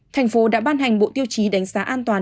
thành phố đã ban hành bộ tiêu chí đánh giá an toàn